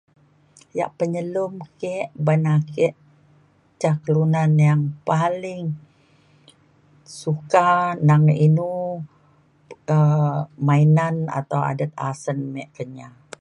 yak penyelum ke ban ake ca kelunan yang paling suka nang inu um main atau adet asen me Kenyah